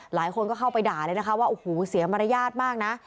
หลายคนก็เข้าไปด่าเลยนะคะว่าโอ้โหเสียมารยาทมากนะ